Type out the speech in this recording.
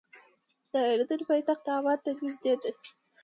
د اردن پایتخت عمان ته نږدې ده.